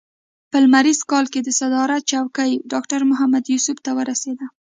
په لمریز کال کې د صدارت څوکۍ ډاکټر محمد یوسف ته ورسېده.